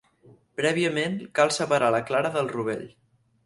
Prèviament, cal separar la clara del rovell.